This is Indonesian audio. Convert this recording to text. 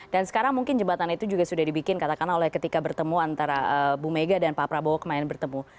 dan sekarang mungkin jembatan itu juga sudah dibikin katakanlah oleh ketika bertemu antara bu mega dan pak prabowo kemarin bertemu